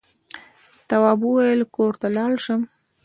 تواب وويل: کور ته لاړ شم.